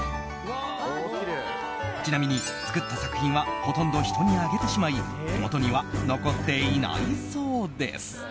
ちなみに、作った作品はほとんど人にあげてしまい手元には残っていないそうです。